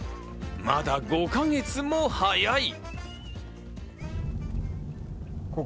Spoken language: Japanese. まだ５か月も早い。